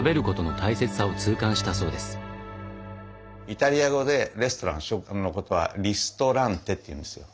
イタリア語でレストラン食堂のことは「リストランテ」って言うんですよ。